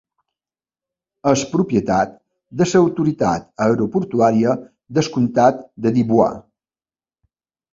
És propietat de l'autoritat aeroportuària del comtat de Dubois.